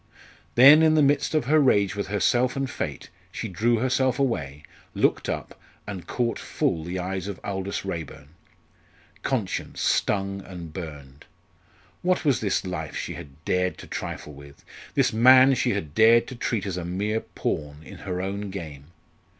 Then, in the midst of her rage with herself and fate, she drew herself away, looked up, and caught full the eyes of Aldous Raeburn. Conscience stung and burned. What was this life she had dared to trifle with this man she had dared to treat as a mere pawn in her own game?